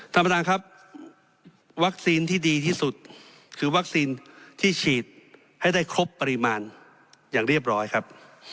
ท่านประธานครับวัคซีนที่ดีที่สุดคือวัคซีนที่ฉีดให้ได้ครบปริมาณอย่างเรียบร้อยครับ